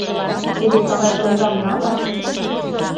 Теве калай коҥгам нал...